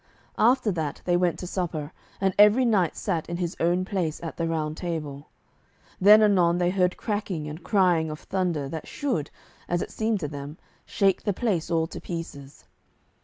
After that they went to supper, and every knight sat in his own place at the Round Table. Then anon they heard cracking and crying of thunder that should, as it seemed to them, shake the place all to pieces.